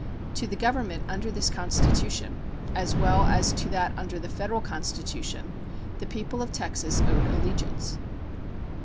To the Government under this constitution, as well as to that under the federal constitution, the people of Texas owed allegiance.